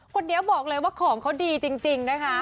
คนนี้บอกเลยว่าของเขาดีจริงนะคะ